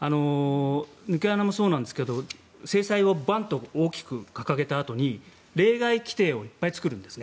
抜け穴もそうですが制裁をバンと大きく掲げたあとに例外規定をいっぱい作るんです。